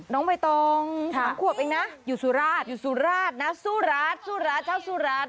น้องใบตองสามขวบเองนะอยู่สุราชอยู่สุราชนะสู้ราชสู้ราชเจ้าสุราช